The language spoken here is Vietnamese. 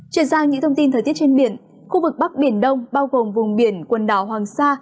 chuyển sang những thông tin thời tiết trên biển khu vực bắc biển đông bao gồm vùng biển quần đảo hoàng sa